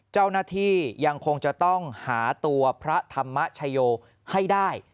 เจ้าหน้าที่ยังคงจะต้องหาตัวพระธรรมชโยให้ได้